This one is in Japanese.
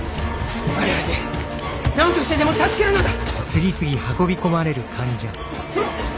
我らで何としてでも助けるのだ。